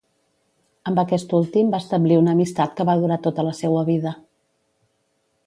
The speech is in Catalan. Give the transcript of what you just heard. Amb aquest últim va establir una amistat que va durar tota la seua vida.